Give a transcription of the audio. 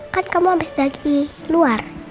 kan kamu habis lagi keluar